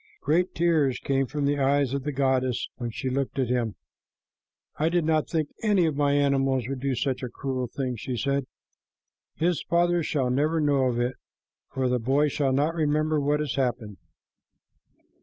Great tears came from the eyes of the goddess when she looked at him. "I did not think any of my animals would do such a cruel thing," she said. "His father shall never know it, for the boy shall not remember what has happened."